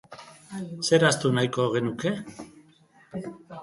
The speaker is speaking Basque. Zer ahaztu nahiko genuke?